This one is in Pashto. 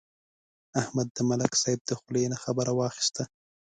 احمد د ملک صاحب د خولې نه خبره واخیسته.